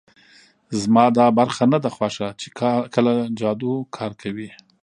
زما دا برخه نه ده خوښه چې کله جادو کار کوي